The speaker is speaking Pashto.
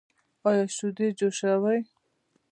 ایا شیدې جوشوئ؟